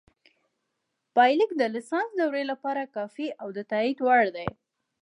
پایلیک د لیسانس دورې لپاره کافي او د تائید وړ دی